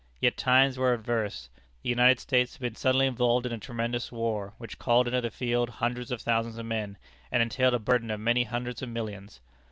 Yet times were adverse. The United States had been suddenly involved in a tremendous war, which called into the field hundreds of thousands of men, and entailed a burden of many hundreds of millions.